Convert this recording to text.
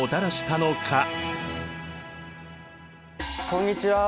こんにちは！